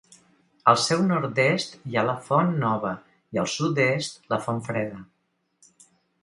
Al seu nord-est hi ha la Font Nova, i al sud-est, la Fontfreda.